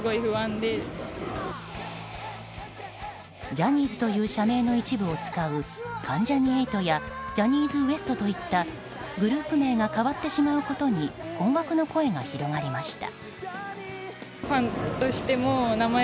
ジャニーズという社名の一部を使う関ジャニ∞やジャニーズＷＥＳＴといったグループ名が変わってしまうことに困惑の声が広がりました。